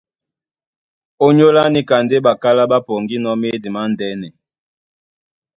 Ónyólá níka ndé ɓakálá ɓá pɔŋgínɔ̄ médi mándɛ́nɛ.